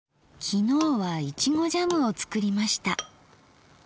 昨日は苺ジャムを作りました。